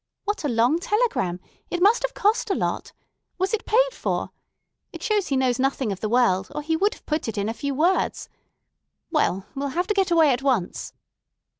What a long telegram! It must have cost a lot. Was it paid for? It shows he knows nothing of the world, or he would have put it in a few words. Well, we'll have to get away at once."